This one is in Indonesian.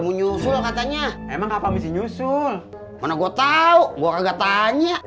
mana gua tau gua kagak tanya